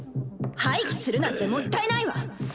廃棄するなんてもったいないわ。